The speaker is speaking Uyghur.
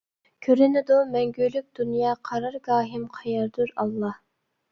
كۆرۈنىدۇ مەڭگۈلۈك دۇنيا قارارگاھىم قەيەردۇر، ئاللا!